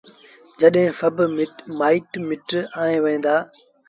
جڏهيݩ سڀ مآئيٚٽ مٽ آئي وهيݩ دآ